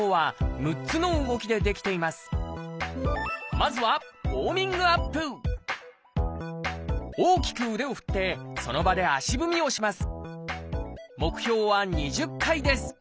まずは大きく腕を振ってその場で足踏みをします